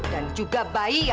dan juga baiknya